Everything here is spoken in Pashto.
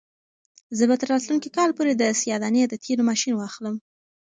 زه به تر راتلونکي کال پورې د سیاه دانې د تېلو ماشین واخلم.